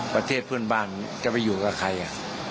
ประเทศเพื่อนบ้านจะไปอยู่กับใคร